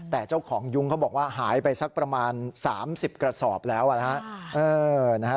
แต่เจ้าของยุงเขาบอกว่าหายไปสักประมาณสามสิบกระสอบแล้วอ่ะฮะเออนะฮะ